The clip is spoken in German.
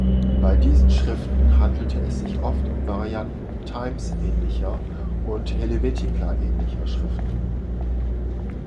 Bei diesen Schriften handelte es sich oft um Varianten Times-ähnlicher und Helvetica-ähnlicher Schriften.